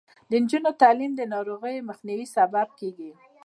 د نجونو تعلیم د ناروغیو مخنیوي سبب دی.